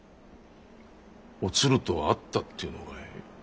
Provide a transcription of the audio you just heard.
おつると会ったって言うのかい？